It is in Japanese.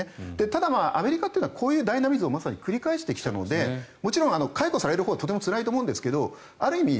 ただ、アメリカはこういうダイナミズムをまさに繰り返してきたのでもちろん解雇されるほうはとてもつらいと思うんですがある意味